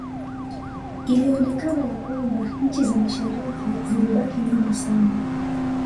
Ilionekana ya kwamba nchi za mashariki zilibaki nyuma sana